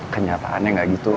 kenyataannya gak gitu